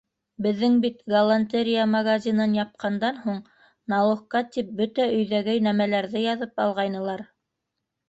Беҙҙең бит галантерея магазинын япҡандан һуң, налогка тип, бөтә өйҙәге нәмәләрҙе яҙып алғайнылар.